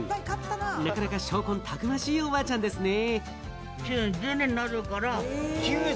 なかなか商魂たくましいおばちゃんですね。